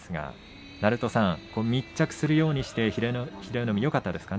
鳴戸さん、密着するようにして英乃海、よかったですか。